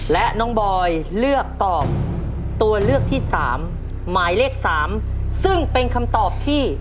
และน้องบอยเลือกตอบตัวเลือกที่สามหมายเลข๓ซึ่งเป็นคำตอบที่